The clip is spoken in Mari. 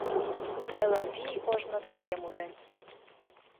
Элавий ожно тыге мурен.